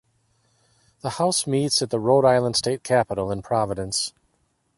The House meets at the Rhode Island State Capitol in Providence.